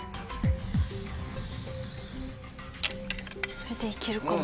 これでいけるかな？